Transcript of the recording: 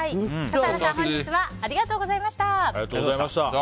笠原さん、本日はありがとうございました。